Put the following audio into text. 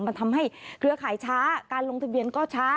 มันทำให้เครือข่ายช้าการลงทะเบียนก็ช้า